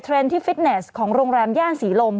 ที่ฟิตเนสของโรงแรมย่านศรีลม